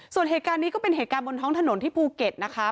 ส่วนเหตุการณ์นี้ก็เป็นเหตุการณ์บนท้องถนนที่ภูเก็ตนะคะ